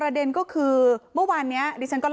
ถ้าพี่ถ้าพี่ถ้าพี่ถ้าพี่ถ้าพี่